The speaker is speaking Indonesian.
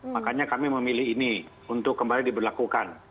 makanya kami memilih ini untuk kembali diberlakukan